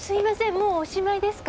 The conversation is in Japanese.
もうおしまいですか？